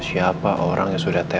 siapa orang yang sudah